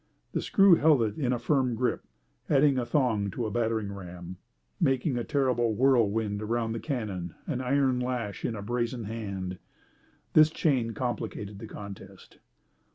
The screw held it in a firm grip, adding a thong to a battering ram, making a terrible whirlwind around the cannon, an iron lash in a brazen hand. This chain complicated the contest.